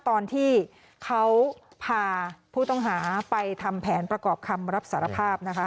ตอนที่เขาพาผู้ต้องหาไปทำแผนประกอบคำรับสารภาพนะคะ